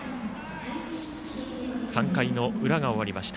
３回の裏が終わりました。